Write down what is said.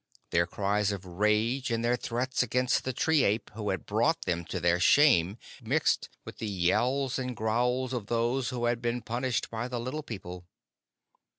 Their cries of rage and their threats against the "tree ape" who had brought them to their shame mixed with the yells and growls of those who had been punished by the Little People.